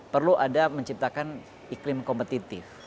perlu ada menciptakan iklim kompetitif